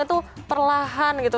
itu perlahan gitu